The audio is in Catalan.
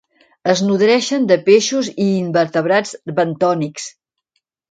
Es nodreixen de peixos i invertebrats bentònics.